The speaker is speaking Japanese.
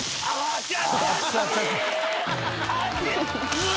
うわ！